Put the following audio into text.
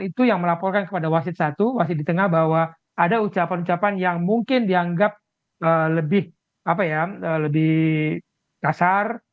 itu yang melaporkan kepada wasit satu wasit di tengah bahwa ada ucapan ucapan yang mungkin dianggap lebih kasar